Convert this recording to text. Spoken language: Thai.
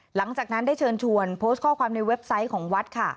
หลังจากนั้นได้เชิญชวนโพสต์ข้อความในเว็บไซต์ของวัดค่ะ